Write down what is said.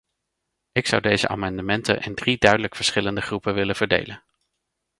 Ik zou deze amendementen in drie duidelijk verschillende groepen willen verdelen.